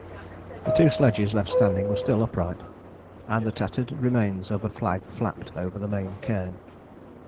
The two sledges left standing were still upright, and the tattered remains of a flag flapped over the main cairn.